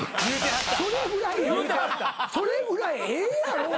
それぐらいええやろお前。